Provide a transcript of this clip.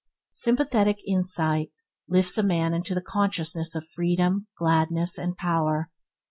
Sympathetic insight lifts a man into the consciousness of freedom, gladness and power.